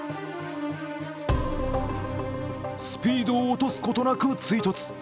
スピードを落とすことなく追突。